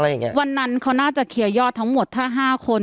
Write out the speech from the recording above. อย่างเงี้วันนั้นเขาน่าจะเคลียร์ยอดทั้งหมดถ้าห้าคน